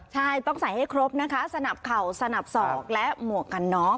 ใช่ต้องใส่ให้ครบนะคะสนับเข่าสนับสอกและหมวกกันน็อก